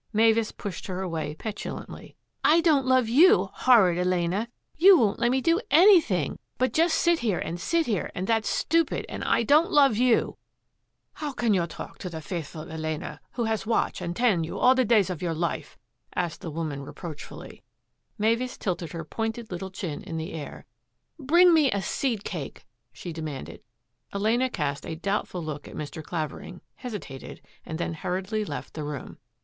Mavis pushed her away petulantly. " I don't love you, horrid Elena ! You won't let me do any 158 THAT AFFAIR AT THE MANOR thing but just sit here and sit here, and that's stupid and I don't love you !"" How can you talk so to the faithful Elena, who has watch and tend you all the days of your life?" asked the woman reproachfully. Mavis tilted her pointed little chin in the air. " Bring me a seed cake," she commanded. Elena cast a doubtful look at Mr. Clavering, hesitated, and then hurriedly left the room.